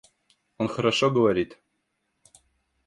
Он хорошо говорит.